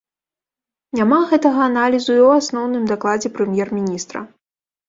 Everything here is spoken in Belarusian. Няма гэтага аналізу і ў асноўным дакладзе прэм'ер-міністра.